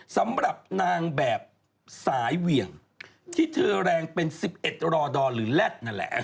สำหรับนางแบบสายเหวี่ยงที่เธอแรงเป็น๑๑รอดอหรือแลตนั่นแหละ